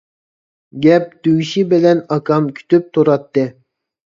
گەپ تۈگىشى بىلەن ئاكام كۈتۈپ تۇراتتى.